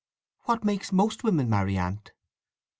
"What makes most women marry, Aunt?"